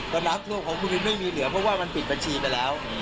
สนามโลกของคุณไม่มีเหลือเพราะว่ามันปิดบัญชีไปแล้ว